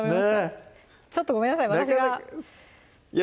ちょっとごめんなさい